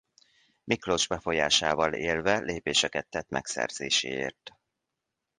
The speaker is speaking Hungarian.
Miklós befolyásával élve lépéseket tett megszerzéséért.